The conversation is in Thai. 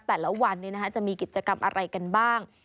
แต่ละวันจะมีกิจกรรมอะไรกันบ้าง